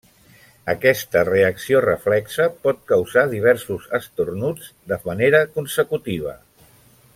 Aquesta reacció reflexa pot causar diversos esternuts de manera consecutiva.